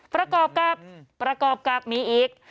ประกอบกับประกอบกับมีอีก